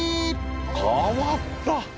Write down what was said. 変わった。